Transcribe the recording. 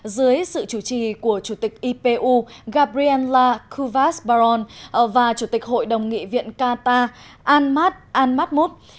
dưới sự chủ trì của chủ tịch ipu gabriela kouvas baron và chủ tịch hội đồng nghị viện qatar anmat anmatmout